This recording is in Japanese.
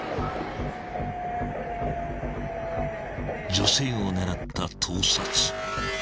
［女性を狙った盗撮］